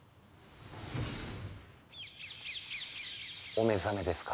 お目覚めですか？